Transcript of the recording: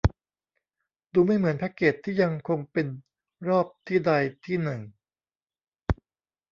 ดูไม่เหมือนแพคเกจที่ยังคงเป็นรอบที่ใดที่หนึ่ง